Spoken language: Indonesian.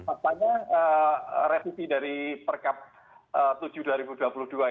artinya revisi dari perkab tujuh tahun dua ribu dua puluh dua